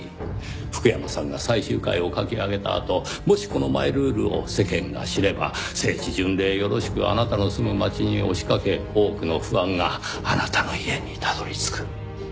福山さんが最終回を書き上げたあともしこのマイルールを世間が知れば聖地巡礼よろしくあなたの住む町に押しかけ多くのファンがあなたの家にたどり着く。